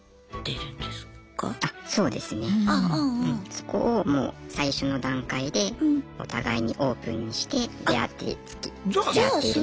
そこをもう最初の段階でお互いにオープンにして出会ってつきあっているので。